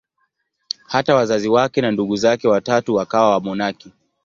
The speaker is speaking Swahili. Hata wazazi wake na ndugu zake watatu wakawa wamonaki.